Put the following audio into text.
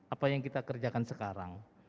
apa yang kita kerjakan sekarang